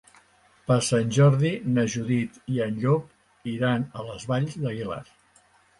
Per Sant Jordi na Judit i en Llop iran a les Valls d'Aguilar.